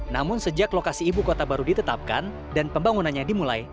namun sejak lokasi ibu kota baru ditetapkan dan pembangunannya dimulai